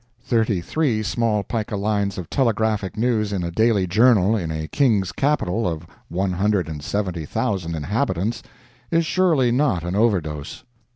Thirty three small pica lines of telegraphic news in a daily journal in a King's Capital of one hundred and seventy thousand inhabitants is surely not an overdose.